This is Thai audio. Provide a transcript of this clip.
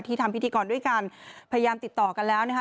ทำพิธีกรด้วยกันพยายามติดต่อกันแล้วนะคะ